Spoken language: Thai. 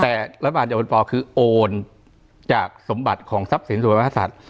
แต่รัฐบาลจะเป็นปอคือโอนจากสมบัติของทรัพย์สินส่วนมหาศัตริย์